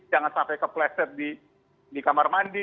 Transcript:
jangan sampai kepleset di kamar mandi